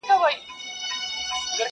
آصل سړی یمه له شماره وځم.